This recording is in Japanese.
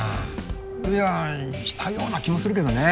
いやしたような気もするけどね。